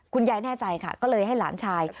คุณยายแน่ใจค่ะก็เลยให้หลานชาย